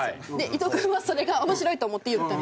伊藤君はそれが面白いと思って言ったみたい。